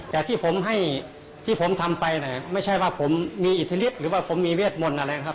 แต่ที่ผมให้ที่ผมทำไปเนี่ยไม่ใช่ว่าผมมีอิทธิฤทธิหรือว่าผมมีเวทมนต์อะไรนะครับ